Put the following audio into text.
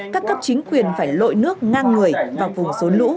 các cấp chính quyền phải lội nước ngang người vào vùng rốn lũ